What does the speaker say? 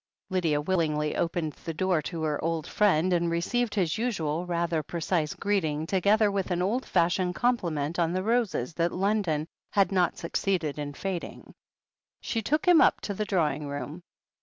Lydia willingly opened the door to her old friend, and received his usual, rather precise greeting, together with an old fashioned compliment on the roses that London had not succeeded in fading. She took him up to the drawing room.